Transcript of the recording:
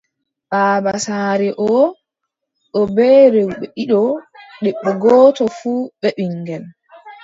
Baaba saare oo, o bee rewɓe ɗiɗo, debbo gooto fuu bee ɓiŋngel.